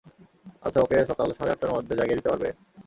আচ্ছা, ওকে সকাল সাড়ে আটটার মধ্যে জাগিয়ে দিতে পারবে?